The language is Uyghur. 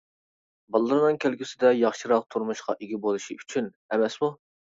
بالىلىرىنىڭ كەلگۈسىدە ياخشىراق تۇرمۇشقا ئىگە بولۇشى ئۈچۈن ئەمەسمۇ؟ !